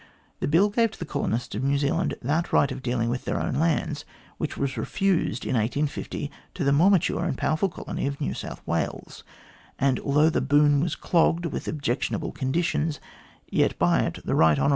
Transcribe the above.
The Bill gave to the colonists of New Zealand that right of dealing with their own lands which was refused in 1850 to the more mature and powerful colony of New South Wales, and, although the boon was clogged with objectionable conditions, yet by it the right hon.